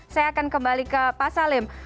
saya akan kembali ke pak salim